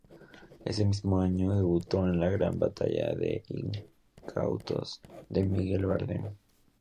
Ese mismo año debutó en la gran pantalla en "Incautos", de Miguel Bardem.